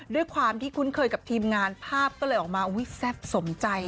ด้วยความที่คุ้นเคยกับทีมงานภาพก็เลยออกมาแซ่บสมใจ